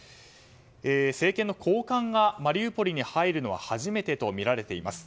政権の高官がマリウポリに入るのは初めてとみられています。